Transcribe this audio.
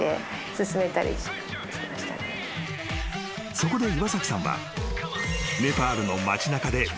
［そこで岩崎さんは］